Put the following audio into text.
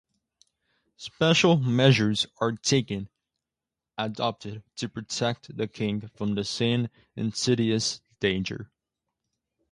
Special measures are taken adopted to protect the king from the same insidious danger.